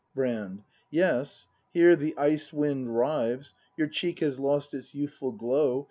Brand. Yes, here the ice wind rives; Your cheek has lost its youthful glow.